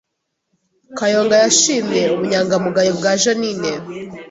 Kayonga yashimye ubunyangamugayo bwa Jeaninne